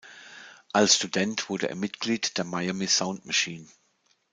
Als Student wurde er Mitglied der Miami Sound Machine.